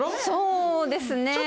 そうですね。